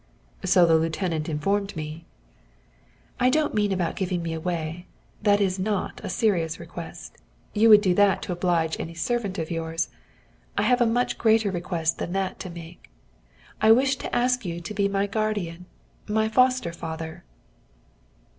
"So the lieutenant informed me." "I don't mean about giving me away that is not a serious request. You would do that to oblige any servant of yours. I have a much greater request than that to make. I wish to ask you to be my guardian, my foster father."